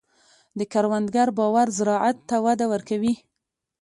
د کروندګر باور زراعت ته وده ورکوي.